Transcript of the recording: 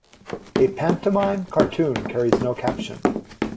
A pantomime cartoon carries no caption.